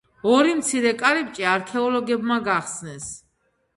ორი მცირე კარიბჭე არქეოლოგებმა გახსნეს.